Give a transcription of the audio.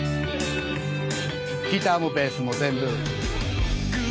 ギターもベースも全部。